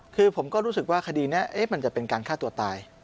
คือผมก็รู้สึกว่าคดีนี้มันจะเป็นการฆ่าตัวตาย